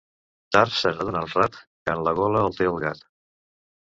Tard se n'adona el rat, quan en la gola el té el gat.